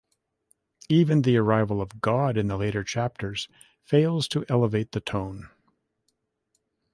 Even the arrival of God in the later chapters fails to elevate the tone.